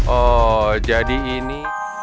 oh jadi ini